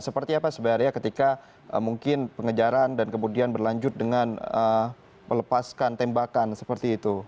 seperti apa sebenarnya ketika mungkin pengejaran dan kemudian berlanjut dengan melepaskan tembakan seperti itu